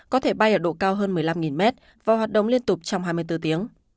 có thể bay ở độ cao hơn một mươi năm mét và hoạt động liên tục trong hai mươi bốn tiếng